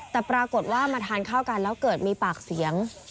แต่ปรากฏว่ามาทานข้าวกันแล้วเกิดมีปากเสียง